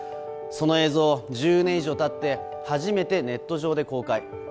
その映像を１０年以上経って初めてネット上で公開。